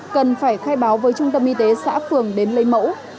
cần phải khai báo với trung tâm y tế xã phường đến lấy mẫu